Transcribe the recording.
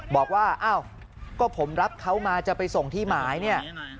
บอกว่าอ้าวก็ผมรับเขามาจะไปส่งที่หมายเนี่ย